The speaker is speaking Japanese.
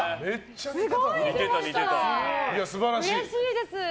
うれしいです。